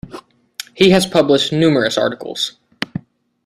He has published numerous articles.